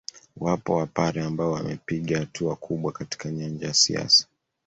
Wapo wapare ambao wamepiga hatua kubwa katika nyanja ya siasa